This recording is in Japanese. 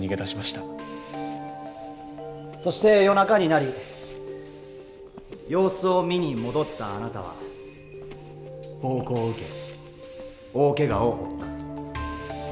そして夜中になり様子を見に戻ったあなたは暴行を受け大けがを負った。